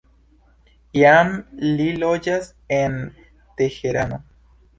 Jam li loĝas en Teherano.